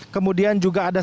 kemudian juga ada